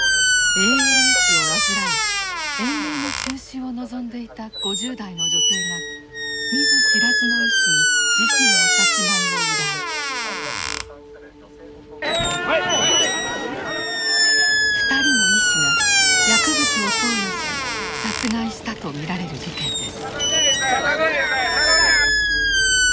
ＡＬＳを患い延命の中止を望んでいた５０代の女性が２人の医師が薬物を投与し殺害したと見られる事件です。